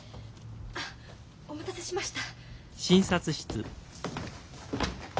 あお待たせしました。